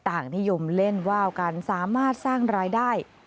ต่างนิยมเล่นว่าวกันสามารถสร้างรายได้